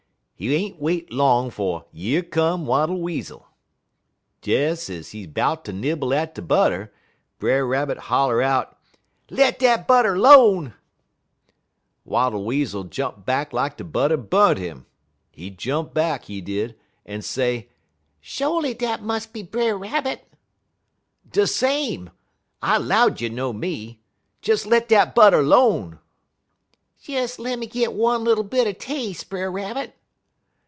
He ain't wait long 'fo' yer come Wattle Weasel. Des ez he 'bout ter nibble at de butter, Brer Rabbit holler out: "'Let dat butter 'lone!' "Wattle Weasel jump back lak de butter bu'nt 'im. He jump back, he did, en say: "'Sho'ly dat mus' be Brer Rabbit!' "'De same. I 'low'd you'd know me. Des let dat butter 'lone.' "'Des lemme git one little bit er tas'e, Brer Rabbit.'